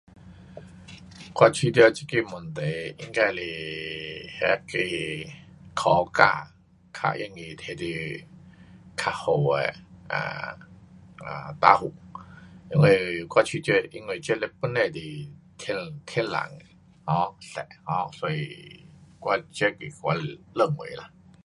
我觉得这个问题应该是那个科学家，较容易提你较好的，啊答复。因为我觉得因为这嘞本来是天，天然的，um 色 um 所以我，这是我认为啦。